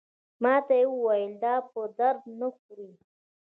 ماته یې وویل دا په درد نه خوري.